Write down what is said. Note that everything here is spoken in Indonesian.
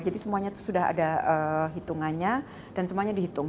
jadi semuanya itu sudah ada hitungannya dan semuanya dihitung